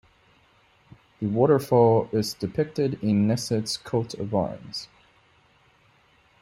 The waterfall is depicted in Nesset's coat-of-arms.